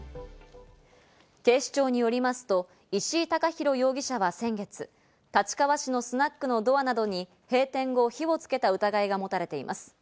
警視庁によりますと、石井隆裕容疑者は先月、立川市のスナックのドアなどに閉店後、火をつけた疑いがもたれています。